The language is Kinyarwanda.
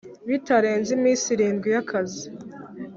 Bitarenze iminsi irindwi y’akazi